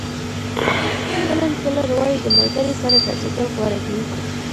هیلن کیلر وایي د ملګري سره ګرځېدل غوره دي.